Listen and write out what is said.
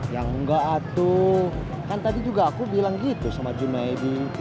ya enggak atuh kan tadi juga aku bilang gitu sama junaidin